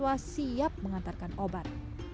kepala mahasiswa siap mengantarkan obat